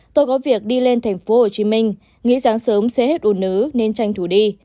tôi có việc đi lên thành phố hồ chí minh nghĩ sáng sớm sẽ hết ùn ứ nên tranh thủ đi